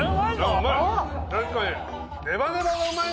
うまい！